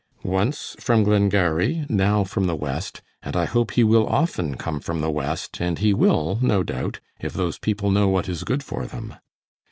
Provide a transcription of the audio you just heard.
"Once from Glengarry, now from the West, and I hope he will often come from the West, and he will, no doubt, if those people know what is good for them."